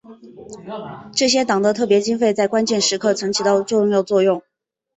这些党的特别经费在关键时刻曾起过重要作用。